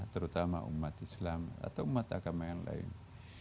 terutama umat islam atau umat agama yang lain